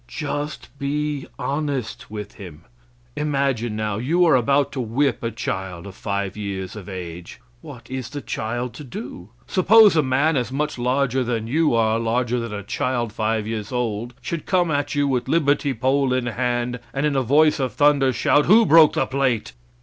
Just be honest with him. Imagine now; you are about to whip a child five years of age. What is the child to do? Suppose a man, as much larger than you are larger than a child five years old, should come at you with liberty pole in hand, and in a voice of thunder shout, "Who broke the plate?"